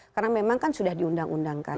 karena memang kan sudah diundang undangkan